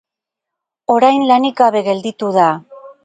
Orain lanik gabe gelditu da.